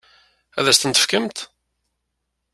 Ad as-tent-tefkemt?